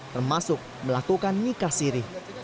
termasuk melakukan nikah siri